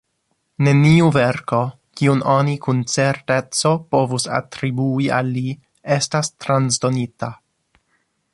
Neniu verko, kiun oni kun certeco povus atribui al li, estas transdonita.